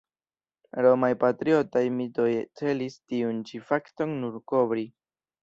Romaj patriotaj mitoj celis tiun ĉi fakton nur kovri.